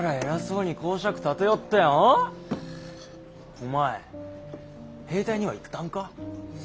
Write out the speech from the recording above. お前兵隊には行ったんか？